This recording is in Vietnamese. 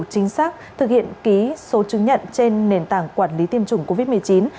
chính xác thực hiện ký số chứng nhận trên nền tảng quản lý tiêm chủng covid một mươi chín